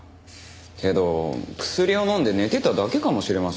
けど薬を飲んで寝てただけかもしれませんよ。